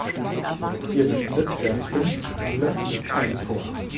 Hier bestritt er fünf Spiele (kein Tor).